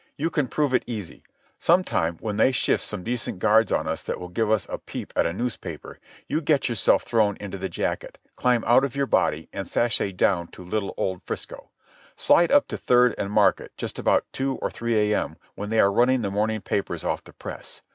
"You can prove it easy. Some time, when they shift some decent guards on us that will give us a peep at a newspaper, you get yourself thrown into the jacket, climb out of your body, and sashay down to little old 'Frisco. Slide up to Third and Market just about two or three a.m. when they are running the morning papers off the press.